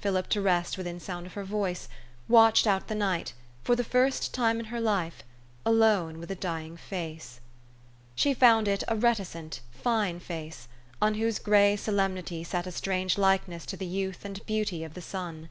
Philip to rest within sound of her voice, watched out the night for the first time in her life alone with a dying face. She found it a reticent, fine face, on whose gray solemnity sat a strange likeness to the youth and beauty of the son.